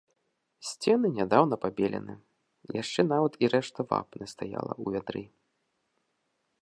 Сцены нядаўна пабелены, яшчэ нават і рэшта вапны стаяла ў вядры.